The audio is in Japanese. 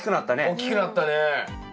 大きくなったね。